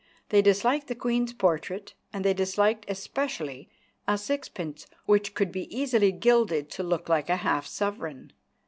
They disliked the Queen's portrait, and they disliked especially a sixpence which could be easily gilded to look like a half sovereign.